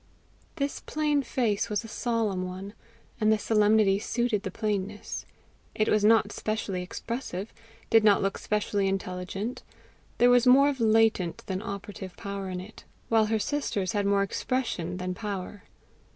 This plain face was a solemn one, and the solemnity suited the plainness. It was not specially expressive did not look specially intelligent; there was more of latent than operative power in it while her sister's had more expression than power.